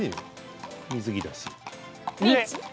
水着だし。